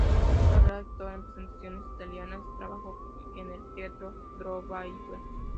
Comenzó su carrera actoral en presentaciones itinerantes, y trabajó en el Teatro Broadway.